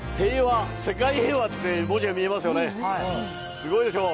すごいでしょう。